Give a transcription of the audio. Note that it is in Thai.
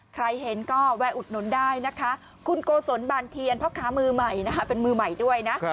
ใครเห็นก็แวะอุดหนุนได้นะคะคุณโกศลบานเทียนพ่อค้ามือใหม่นะคะเป็นมือใหม่ด้วยนะ